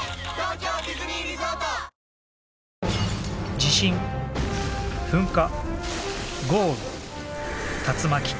地震噴火豪雨竜巻。